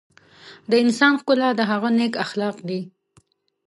د انسان ښکلا د هغه نیک اخلاق دي.